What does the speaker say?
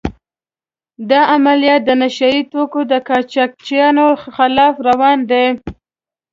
دا عملیات د نشه يي توکو د قاچاقچیانو خلاف روان دي.